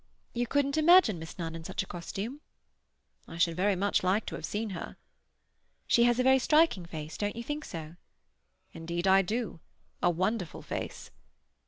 "You couldn't imagine Miss Nunn in such a costume?" "I should very much like to have seen her." "She has a very striking face—don't you think so?" "Indeed I do. A wonderful face."